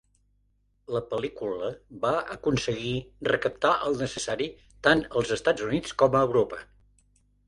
La pel·lícula va aconseguir recaptar el necessari tant als Estats Units com Europa.